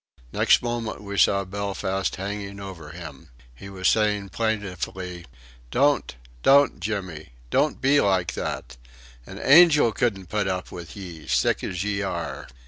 Next moment we saw Belfast hanging over him. He was saying plaintively: "Don't! Don't, Jimmy! Don't be like that. An angel couldn't put up with ye sick as ye are."